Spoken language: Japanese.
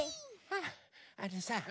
ああのさ